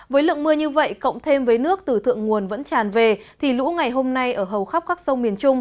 với lượng mưa như vậy cộng thêm với nước từ thượng nguồn vẫn tràn về thì lũ ngày hôm nay ở hầu khắp các sông miền trung